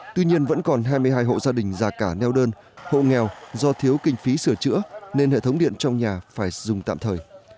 tuy nhiên vẫn còn hai mươi hai hộ gia đình già cả neo đơn hộ nghèo do thiếu kinh phí sửa chữa nên hệ thống điện trong nhà phải dùng tạm thời